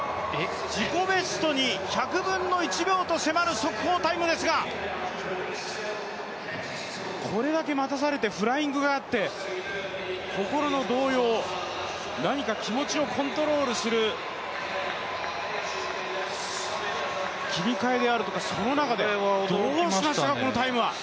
自己ベストに１００分の１秒と迫る速報タイムですが、これだけ待たされてフライングがあって、心の動揺、何か気持ちをコントロールする切り替えであるとか、その中で、どうしましたか、このタイムは。